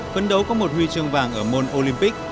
phấn đấu có một huy chương vàng ở môn olympic